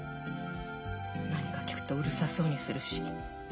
何か聞くとうるさそうにするし。